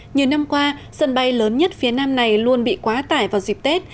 nhiều năm qua sân bay lớn nhất phía nam này luôn bị quá tải vào dịp tết